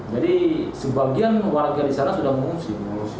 jadi sebagian warga di sana sudah mengungsi